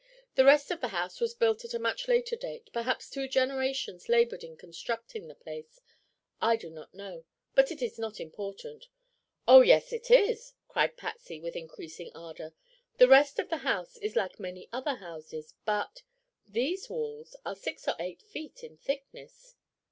"The rest of the house was built at a much later date. Perhaps two generations labored in constructing the place. I do not know; but it is not important." "Oh, yes it is!" cried Patsy with increasing ardor. "The rest of the house is like many other houses, but—these walls are six or eight feet in thickness."